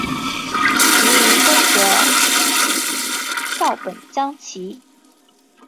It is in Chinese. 其余规则照本将棋。